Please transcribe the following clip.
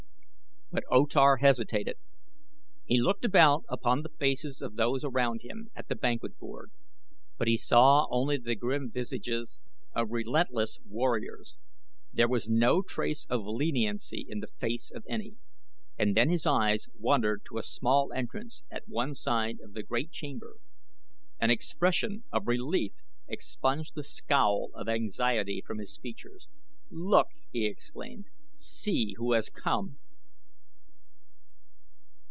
But O Tar hesitated. He looked about upon the faces of those around him at the banquet board; but he saw only the grim visages of relentless warriors. There was no trace of leniency in the face of any. And then his eyes wandered to a small entrance at one side of the great chamber. An expression of relief expunged the scowl of anxiety from his features. "Look!" he exclaimed. "See who has come!"